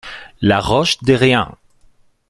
La Roche-Derrien